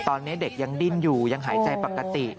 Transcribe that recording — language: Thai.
ตอนนี้เด็กยังดิ้นอยู่ยังหายใจปกติ